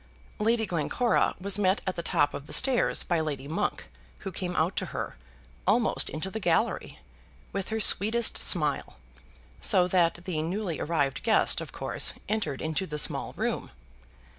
Lady Glencora was met at the top of the stairs by Lady Monk, who came out to her, almost into the gallery, with her sweetest smile, so that the newly arrived guest, of course, entered into the small room.